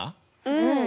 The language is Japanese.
うん。